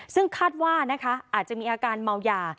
ซึ่งคาดว่านะคะอาจจะมีอาการเมายา